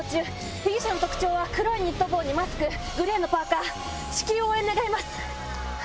被疑者の特徴は黒いニット帽にマスク、グレーのパーカー、至急、応援願います。